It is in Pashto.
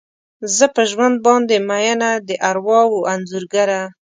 زه په ژوند باندې میینه، د ارواوو انځورګره